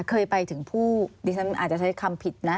เคยไปถึงผู้ดิฉันอาจจะใช้คำผิดนะ